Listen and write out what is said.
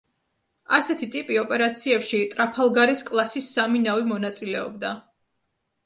ასეთი ტიპი ოპერაციებში ტრაფალგარის კლასის სამი ნავი მონაწილეობდა.